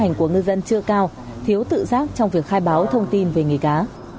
cảnh của ngư dân chưa cao thiếu tự giác trong việc khai báo thông tin về nghề cá